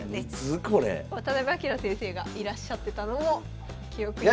渡辺明先生がいらっしゃってたのも。